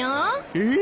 えっ！？